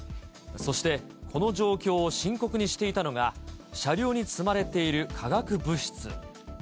そして、この状況を深刻にしていたのが、車両に積まれている化学物質。